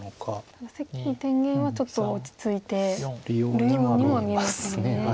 ただ関天元はちょっと落ち着いてるようにも見えますね。